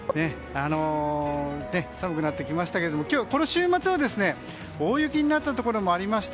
寒くなってきましたけどこの週末は大雪になったところもありました。